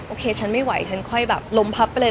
โอเคฉันไม่ไหวฉันค่อยแบบล้มพับไปเลย